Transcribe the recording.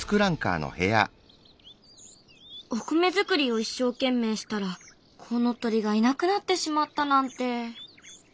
お米作りを一生懸命したらコウノトリがいなくなってしまったなんて。